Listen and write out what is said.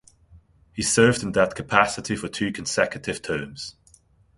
He served in that capacity for two consecutive terms.